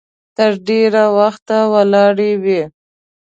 تر ډېره وخته ولاړې وي.